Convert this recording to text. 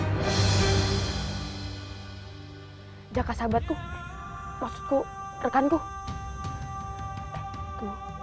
jadi apakah jika sahabatku maksudku rekan tuku